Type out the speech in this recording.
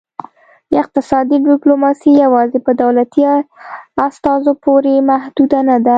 اقتصادي ډیپلوماسي یوازې په دولتي استازو پورې محدوده نه ده